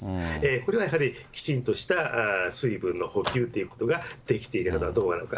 これはやはり、きちんとした水分の補給ということができているのかどうなのか。